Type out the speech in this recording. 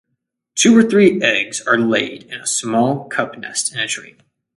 Two or three eggs are laid in a small cup nest in a tree.